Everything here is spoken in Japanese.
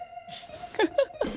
フフフッ。